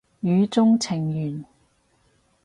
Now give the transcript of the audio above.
語中程緣